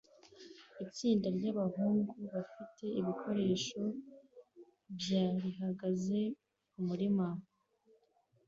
Itsinda ryabahungu bafite ibikoresho bya rihagaze kumurima